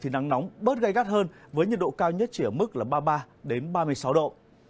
nắng nóng bớt gây gắt hơn với nhiệt độ cao nhất chỉ ở mức ba mươi ba ba mươi sáu độ